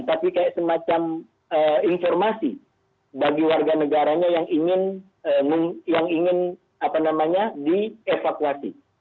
tapi kayak semacam informasi bagi warga negaranya yang ingin dievakuasi